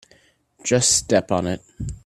Just step on it.